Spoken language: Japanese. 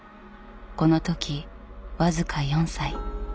この時僅か４歳。